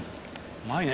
うまいね。